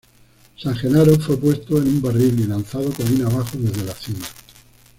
San Gerardo fue puesto en un barril y lanzado colina abajo desde la cima.